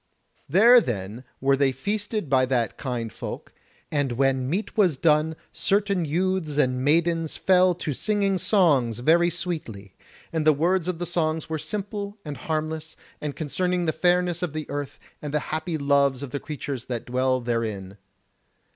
There then were they feasted by that kind folk, and when meat was done certain youths and maidens fell to singing songs very sweetly; and the words of the songs were simple and harmless, and concerning the fairness of the earth and the happy loves of the creatures that dwell therein.